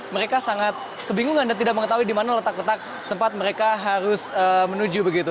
mereka sangat kebingungan dan tidak mengetahui di mana letak letak tempat mereka harus menuju begitu